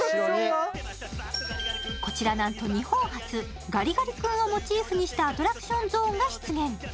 こちらなんと日本初ガリガリ君をモチーフにしたアトラクションゾーンが出現